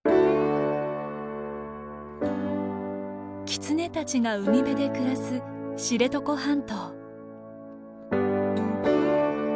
キツネたちが海辺で暮らす知床半島。